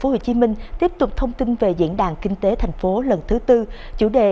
hôm nay ngày bảy tháng chín ủy ban nhân dân tp hcm tiếp tục thông tin về diễn đàn kinh tế thành phố lần thứ bốn